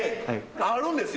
あるんですよ